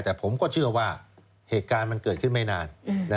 แต่ผมก็เชื่อว่าเหตุการณ์มันเกิดขึ้นไม่นาน